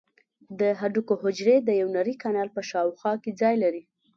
د هډوکو حجرې د یو نري کانال په شاوخوا کې ځای لري.